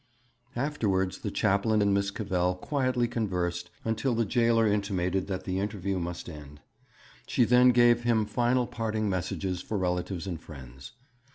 Afterwards the chaplain and Miss Cavell quietly conversed until the jailer intimated that the interview must end. She then gave him final parting messages for relatives and friends.